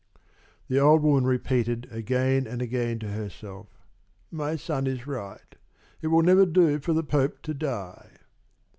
The old woman repeated again and again to herself: "My son is right. It will never do for the Pope to die."